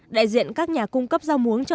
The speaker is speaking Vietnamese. đại diện các nhà cung cấp rau muống cho